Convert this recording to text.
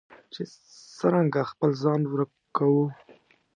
چې څرنګه خپل ځان ورکوو.